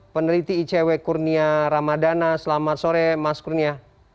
peneliti icw kurnia ramadana selamat sore mas kurnia